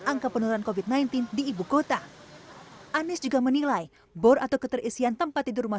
angka penurunan covid sembilan belas di ibukota anies juga menilai bor atau keterisian tempat tidur rumah